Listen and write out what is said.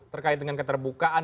terkait dengan keterbukaan